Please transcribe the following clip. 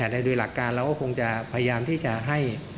โดยหลักการเราก็คงจะพยายามที่จะให้